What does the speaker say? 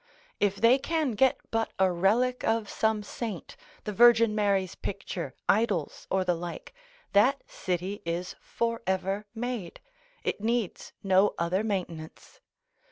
If they can get but a relic of some saint, the Virgin Mary's picture, idols or the like, that city is for ever made, it needs no other maintenance.